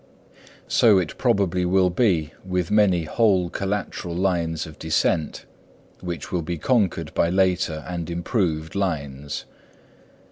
So it probably will be with many whole collateral lines of descent, which will be conquered by later and improved lines.